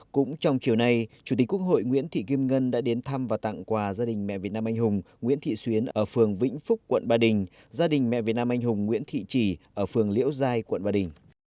cũng trong chiều nay chủ tịch quốc hội nguyễn thị kim ngân đã đến thăm và tặng quà gia đình mẹ việt nam anh hùng nguyễn thị xuyến ở phường vĩnh phúc quận ba đình gia đình mẹ việt nam anh hùng nguyễn thị trì ở phường liễu giai quận ba đình